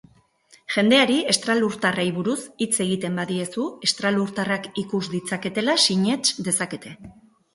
Jendeari estralurtarrei buruz hitz egiten badiezu estralurtarrak ikus ditzaketela sinets dezakete.